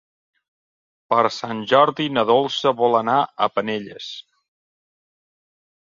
Per Sant Jordi na Dolça vol anar a Penelles.